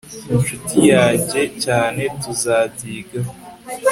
incuti yajye cyane tuzabyigaho